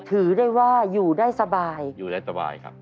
ถือได้ว่าอยู่ได้สบายอยู่ได้สบายครับ